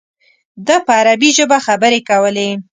ده په عربي ژبه خبرې کولې.